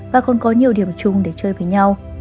và còn có nhiều điểm chung để chơi với nhau